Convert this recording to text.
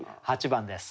８番です。